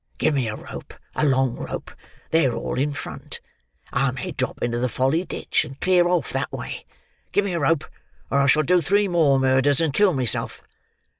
Give me a rope, a long rope. They're all in front. I may drop into the Folly Ditch, and clear off that way. Give me a rope, or I shall do three more murders and kill myself."